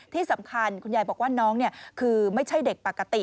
ที่สำคัญคุณยายบอกว่าน้องคือไม่ใช่เด็กปกติ